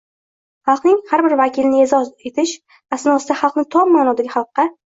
xalqning har bir vakilini e’zoz etish asnosida xalqni tom ma’nodagi xalqqa